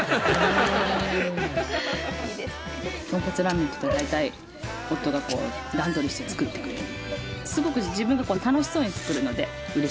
豚骨ラーメンっていうと大体夫が段取りして作ってくれる。